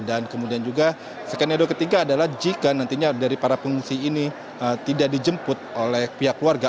dan kemudian juga skenario ketiga adalah jika nantinya dari para pengungsi ini tidak dijemput oleh pihak keluarga